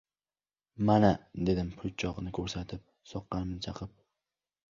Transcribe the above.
— Mana, — dedim po‘choqni ko‘rsatib. — Soqqamni chaqib